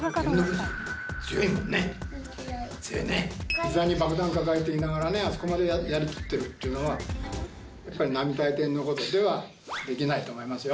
膝に爆弾抱えていながらねあそこまでやりきってるっていうのはやっぱり並大抵のことではできないと思いますよ。